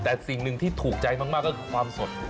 แต่สิ่งหนึ่งที่ถูกใจมากก็คือความสด